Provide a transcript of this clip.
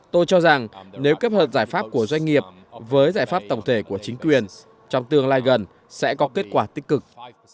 tôi cho rằng nếu kết hợp giải pháp của doanh nghiệp với giải pháp tổng thể của chính quyền trong tương lai gần sẽ có kết quả tích cực